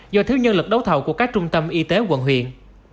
do thiếu nhân lực đấu thầu của các trung tâm y tế quận huyện